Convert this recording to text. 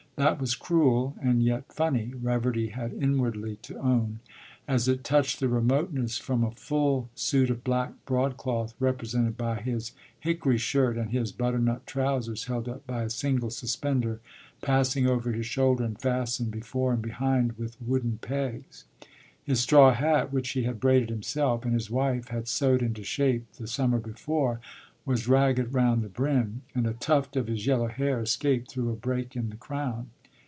That was cruel, and yet funny, Reverdy had inwardly to own, as it touched the remoteness from a full suit of black broadcloth represented by his hickory shirt and his butternut trousers held up by a single suspender passing over his shoulder and fastened before and behind with wooden pegs. His straw hat, which he had braided himself, and his wife had sewed into shape the summer before, was ragged round the brim, and a tuft of his yellow hair escaped through a break in the crown.